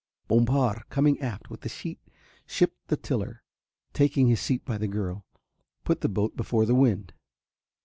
Bompard coming aft with the sheet shipped the tiller, and, taking his seat by the girl, put the boat before the wind.